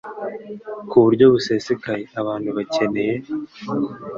ku buryo busesekaye. Abantu bakeneye